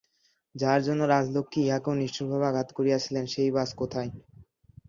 যাহার জন্য রাজলক্ষ্মী ইঁহাকেও নিষ্ঠুরভাবে আঘাত করিয়াছিলেন, সেই বা আজ কোথায়!